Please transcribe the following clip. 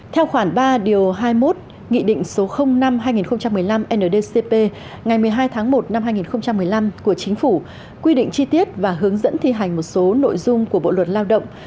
theo khoản ba điều hai mươi một nghị định số năm hai nghìn một mươi năm ndcp ngày một mươi hai tháng một năm hai nghìn một mươi năm của chính phủ quy định chi tiết và hướng dẫn thi hành một số nội dung của bộ luật lao động